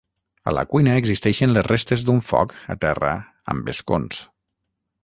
A la cuina existeixen les restes d'un foc a terra amb escons.